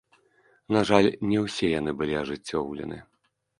На жаль, не ўсе яны былі ажыццёўлены.